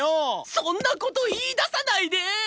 そんな事言い出さないで！